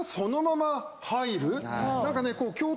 何かね。